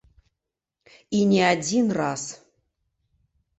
І не адзін раз.